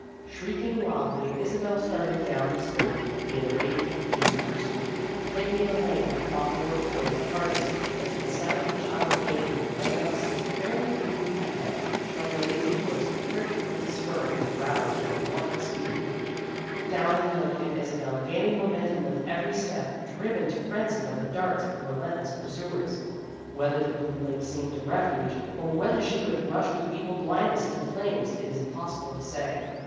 Shrieking wildly, Isabel started down the slope, the enraged bees in pursuit. Peggy and Elaine had thought they were pulling their hardest but at the sight of the child's danger the dug out seemed fairly to leap ahead, like a lazy horse pricked with a spur and roused to unwonted speed. Down the hill came Isabel, gaining momen tum with every step, driven to frenzy by the darts of her relentless pursuers. Whether the blue lake seemed a refuge, or whether she would 328 THE GIRLS OF FRIENDLY TERRACE have rushed with equal blindness into flames, it is impossible to say.